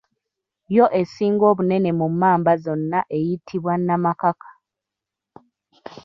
Yo esinga obunene mu mmamba zonna eyitibwa Namakaka.